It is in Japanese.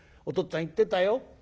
お父っつぁん言ってたよ。